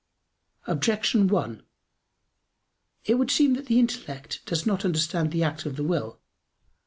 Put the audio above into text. Objection 1: It would seem that the intellect does not understand the act of the will.